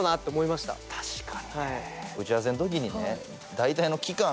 打ち合わせの時にね。